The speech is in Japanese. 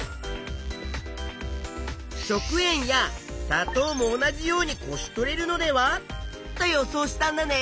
食塩やさとうも同じようにこし取れるのでは？と予想したんだね。